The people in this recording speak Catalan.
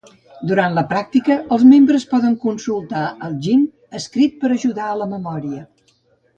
Durant la pràctica, els membres poden consultar el "gin" escrit per ajudar a la memòria.